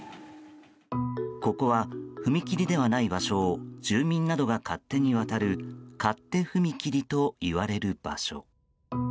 ここは踏切ではない場所を住民などが勝手に渡る勝手踏切といわれる場所。